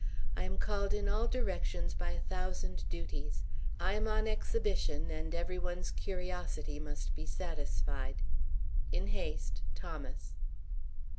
I am called in all directions by a thousand duties. I am on exhibition, and every one's curiosity must be satisfied. In haste, THOMAS.